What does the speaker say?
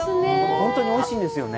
本当においしいんですよね。